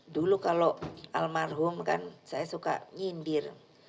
dulu kalau almarhum kan saya suka nyindir